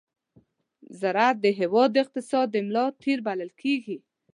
ز راعت د هېواد د اقتصاد د ملا تېر بلل کېږي.